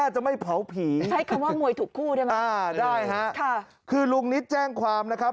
จะไม่เผาผีใช้คำว่ามวยถูกคู่ได้ไหมอ่าได้ฮะค่ะคือลุงนิดแจ้งความนะครับ